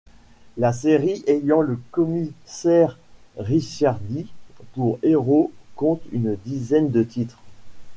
La série ayant le commissaire Ricciardi pour héros compte une dizaine de titres.